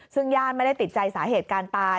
ซึ่งญาติไม่ได้ติดใจสาเหตุการตาย